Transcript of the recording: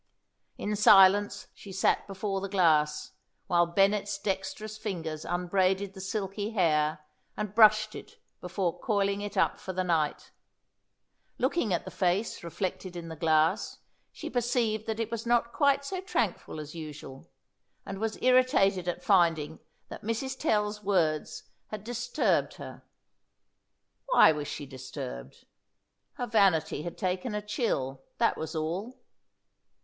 In silence she sat before the glass, while Bennet's dexterous fingers unbraided the silky hair and brushed it before coiling it up for the night. Looking at the face reflected in the glass, she perceived that it was not quite so tranquil as usual, and was irritated at finding that Mrs. Tell's words had disturbed her. Why was she disturbed? Her vanity had taken a chill, that was all.